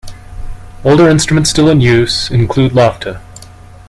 Older instruments still in use include lavta.